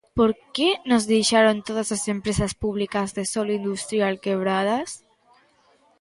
¿Por que nos deixaron todas as empresas públicas de solo industrial quebradas?